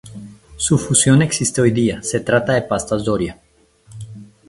Su fusión existe hoy día, se trata de pastas "Doria".